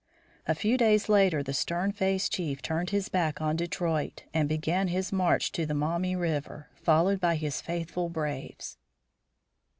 A few days later the stern faced chief turned his back on Detroit, and began his march to the Maumee River, followed by his faithful braves.